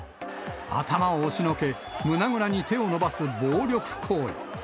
頭を押しのけ、胸倉に手を伸ばす暴力行為。